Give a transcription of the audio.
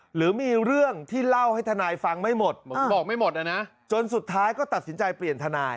หรือมีเรื่องที่เล่าให้ทนายฟังไม่หมดบอกไม่หมดนะจนสุดท้ายก็ตัดสินใจเปลี่ยนทนาย